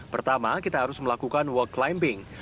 pertama kita harus melakukan walk climbing